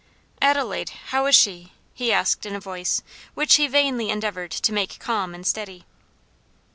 "Adelaide, how is she?" he asked in a voice which he vainly endeavored to make calm and steady.